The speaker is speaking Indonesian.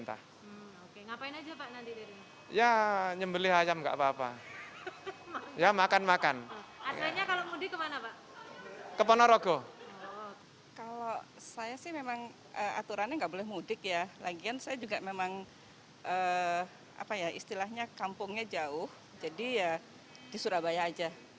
apa ya istilahnya kampungnya jauh jadi ya di surabaya aja